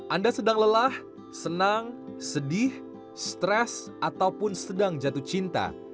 anda sedang lelah senang sedih stres ataupun sedang jatuh cinta